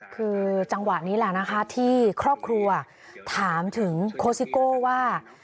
คือจังหวะนี้แหละนะคะที่ครอบครัวถามถึงโคสิโก้ว่า